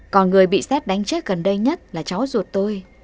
còn người bị xét đánh chết gần đây nhất là cháu ruột tôi